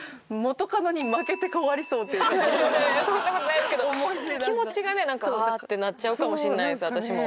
いやいやそんな事ないですけど気持ちがねなんか「ああ」ってなっちゃうかもしれないです私も。